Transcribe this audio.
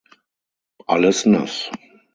Alles nass.